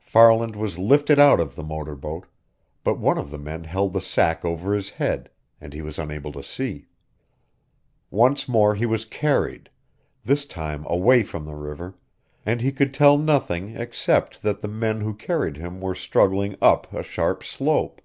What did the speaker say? Farland was lifted out of the motor boat, but one of the men held the sack over his head, and he was unable to see. Once more he was carried, this time away from the river, and he could tell nothing except that the men who carried him were struggling up a sharp slope.